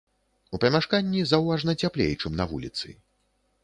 У памяшканні заўважна цяплей, чым на вуліцы.